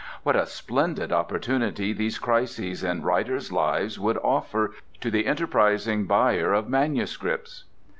What a splendid opportunity these crises in writers' lives would offer to the enterprising buyer of manuscripts!